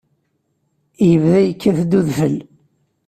Yebda yekkat-d udfel.